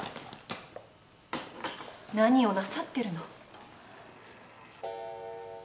何をなさってるの。